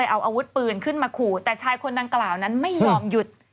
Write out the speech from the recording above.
เอาอาวุธปืนขึ้นมาขู่แต่ชายคนดังกล่าวนั้นไม่ยอมหยุด